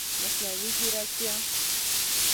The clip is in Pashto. مصنوعي ځرکتیا